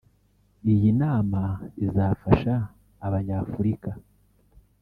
Iyi nama izafasha Abanyafurika